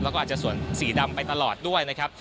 แล้วก็อาจจะส่วนสีดำไปตลอดด้วยนะครับ